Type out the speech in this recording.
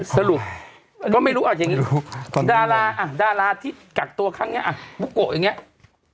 สรุปก็ไม่รู้อ่ะอย่างนี้ดาราดาราที่กักตัวครั้งนี้อ่ะบุโกะอย่างนี้